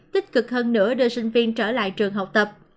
tích cực hơn nữa đưa sinh viên trở lại trường học tập